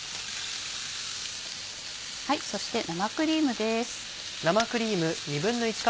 そして生クリームです。